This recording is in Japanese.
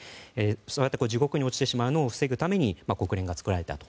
そうやって地獄に落ちてしまうことを防ぐために国連が作られたと。